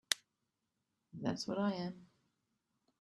That's what I am.